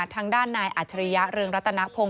ทางด้านนายอัจฉริยะเรืองรัตนพงศ